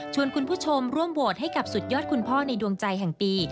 คุณผู้ชมร่วมโหวตให้กับสุดยอดคุณพ่อในดวงใจแห่งปี